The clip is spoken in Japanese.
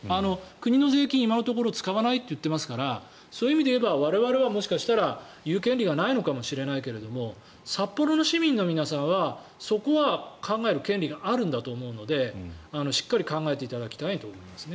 国の税金、今のところ使わないと言っていますからそういう意味で言えば我々はもしかしたら言う権利はないのかもしれないけれど札幌の市民の皆さんは、そこは考える権利があると思うのでしっかり考えていただきたいと思います。